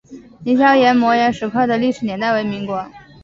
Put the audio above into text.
凌霄岩摩崖石刻的历史年代为民国。